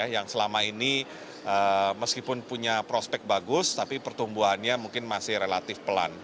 yang selama ini meskipun punya prospek bagus tapi pertumbuhannya mungkin masih relatif pelan